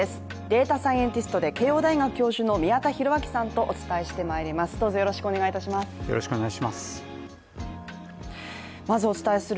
データサイエンティストで慶応大学教授の宮田裕章さんとお伝えしてまいります。